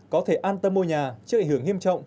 có thể an tâm môi nhà trước ảnh hưởng hiêm trọng